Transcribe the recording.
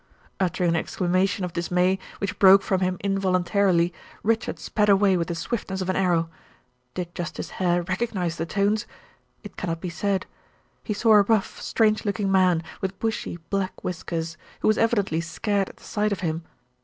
Uttering an exclamation of dismay, which broke from him involuntarily, Richard sped away with the swiftness of an arrow. Did Justice Hare recognize the tones? It cannot be said. He saw a rough, strange looking man, with bushy, black whiskers, who was evidently scared at the sight of him.